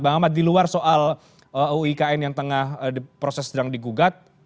bang ahmad di luar soal uik yang proses sedang digugat